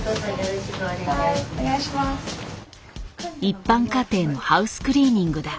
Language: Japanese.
一般家庭のハウスクリーニングだ。